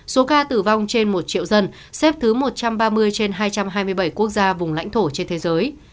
số ca tử vong trên một triệu dân xếp thứ một trăm ba mươi trên hai trăm hai mươi bảy quốc gia vùng lãnh thổ trên thế giới